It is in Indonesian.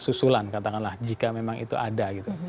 dan dari usulan katakanlah jika memang itu ada gitu